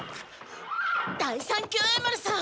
第三協栄丸さん！